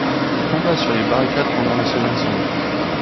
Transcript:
Il combat sur les barricades pendant la Semaine sanglante.